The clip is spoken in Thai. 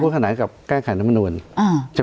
คู่ขนาดกับแก้ไขรัฐมนต์อ่า